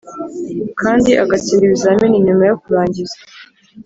Kandi agatsinda ibizamini nyuma yo kurangiza